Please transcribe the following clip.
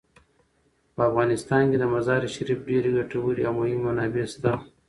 په افغانستان کې د مزارشریف ډیرې ګټورې او مهمې منابع شته.